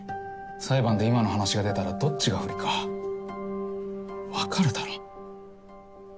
裁判で今の話が出たらどっちが不利か分かるだろ？